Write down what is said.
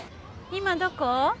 今どこ？